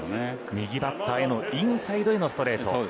右バッターへのインサイドへのストレート